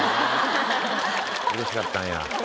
うれしかったんや。